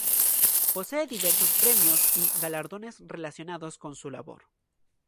Posee diversos premios y galardones relacionados con su labor.